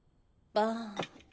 バーン。